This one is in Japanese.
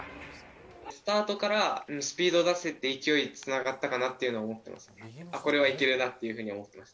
スタートからスピードを出せて、勢いにつながったかなっていうふうに思っています。